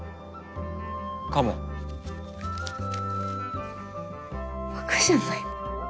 かもバカじゃないの？